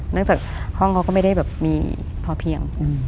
จากห้องเขาก็ไม่ได้แบบมีพอเพียง